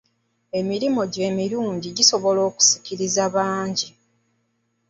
Emirimu gyo emirungi gisobola okusikiriza bangi.